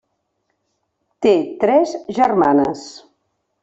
Té tres germanes.